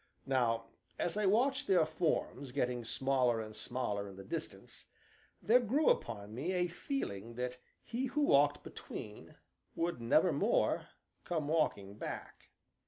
Now, as I watched their forms getting smaller and smaller in the distance, there grew upon me a feeling that he who walked between would nevermore come walking back.